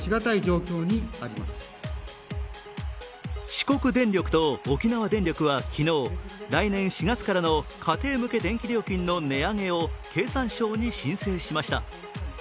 四国電力と沖縄電力は昨日来年４月からの家庭向け電気料金の値上げを経産省に申請しました。